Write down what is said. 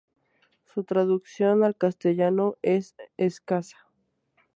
Su traducción al castellano es escasa.